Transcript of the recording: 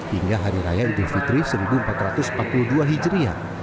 hingga hari raya idul fitri seribu empat ratus empat puluh dua hijriah